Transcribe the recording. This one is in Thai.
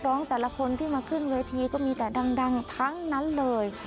ร้องแต่ละคนที่มาขึ้นเวทีก็มีแต่ดังทั้งนั้นเลย